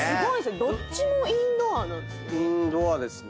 どっちもインドアなんですね。